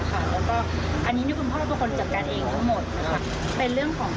แล้วก็อันนี้คุณพ่อตัวคนจัดการเองทั้งหมดค่ะ